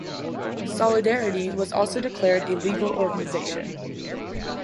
Solidarity was also declared a legal organization.